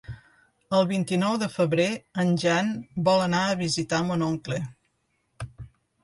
El vint-i-nou de febrer en Jan vol anar a visitar mon oncle.